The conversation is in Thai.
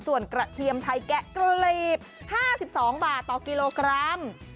ส่วนกระเทียมไทยแกะกะหลีบ๕๒บาทต่อกิโลกรัม